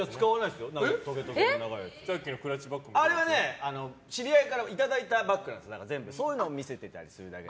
あれは知り合いからいただいたバッグでそういうのを見せてたりするだけ。